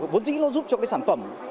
vốn dĩ nó giúp cho sản phẩm